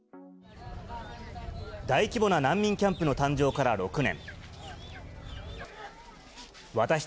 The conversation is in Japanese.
大規模な難民キャンプの誕生から６年。